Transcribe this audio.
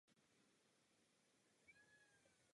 Narodil se v Safedu.